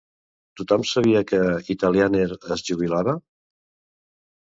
Tothom sabia que Italianer es jubilava?